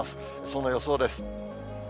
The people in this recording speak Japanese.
その予想です。